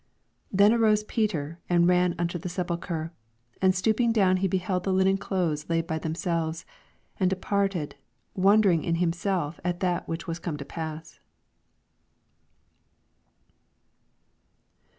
/f 12 Then arose Peter, and ran unto the sepulchre; and stoojping down, he beheld the linen clothes laid by themselves, and departed, wonder ing in himself at that which was come to pass.